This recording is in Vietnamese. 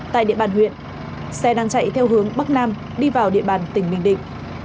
tại địa bàn huyện xe đang chạy theo hướng bắc nam đi vào địa bàn tỉnh bình định